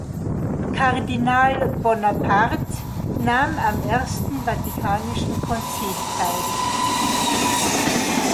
Kardinal Bonaparte nahm am Ersten Vatikanischen Konzil teil.